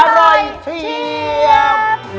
อร่อยเทียม